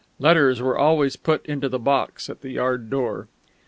(Letters were always put into the box in the yard door.)